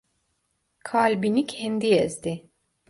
Kalbini kendi ezdi.